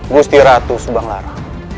busti ratu subang lara